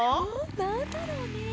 なんだろうね？